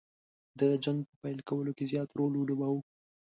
د جنګ په پیل کولو کې زیات رول ولوباوه.